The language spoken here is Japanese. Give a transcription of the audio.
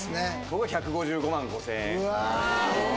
僕は１５５５０００円うわっ！